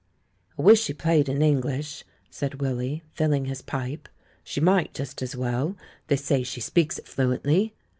"I wish she played in English," said Willy, fining his pipe; "she might just as well — they say she speaks it fluently.